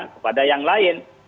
kepada yang lain